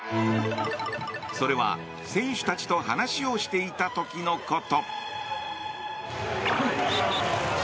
それは選手たちと話をしていた時のこと。